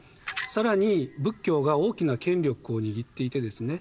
更に仏教が大きな権力を握っていてですね